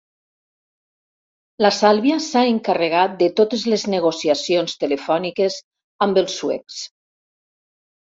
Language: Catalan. La Sàlvia s'ha encarregat de totes les negociacions telefòniques amb els suecs.